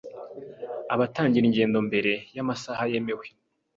abatangira ingendo mbere y’amasaha yemewe.